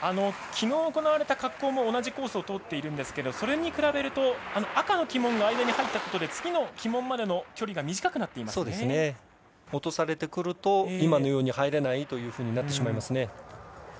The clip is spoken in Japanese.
昨日、行われた滑降も同じコースを通っているんですがそれに比べると赤の旗門が間に入ったことで次の旗門までの距離が落とされてくると今のように入れないことになってしまいますね。